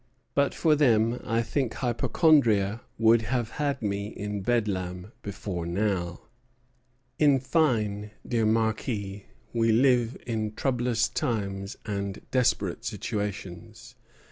But for them I think hypochondria would have had me in Bedlam before now. In fine, dear Marquis, we live in troublous times and desperate situations.